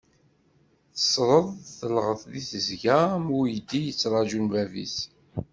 Tesred, telɣet di tesga am uydi yettrajun bab-is.